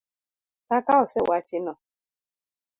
Kaka osewachi no.